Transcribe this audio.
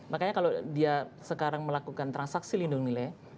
makanya kalau dia sekarang melakukan transaksi lindung nilai